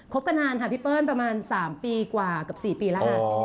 กันนานค่ะพี่เปิ้ลประมาณ๓ปีกว่ากับ๔ปีแล้วค่ะ